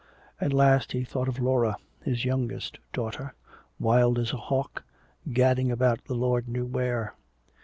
And last he thought of Laura, his youngest daughter, wild as a hawk, gadding about the Lord knew where.